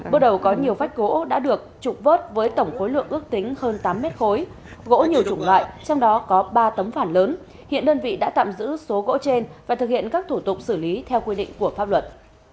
bước đầu có nhiều vách gỗ đã được trục vớt với tổng khối lượng ước tính hơn tám mét khối gỗ nhiều chủng loại trong đó có ba tấm phản lớn hiện đơn vị đã tạm giữ số gỗ trên và thực hiện các thủ tục xử lý theo quy định của pháp luật